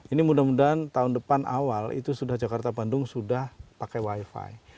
ini mudah mudahan tahun depan awal itu sudah jakarta bandung sudah pakai wifi